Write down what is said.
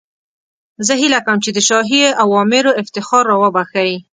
زه هیله کوم چې د شاهي اوامرو افتخار را وبخښئ.